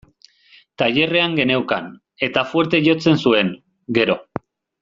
Tailerrean geneukan, eta fuerte jotzen zuen, gero.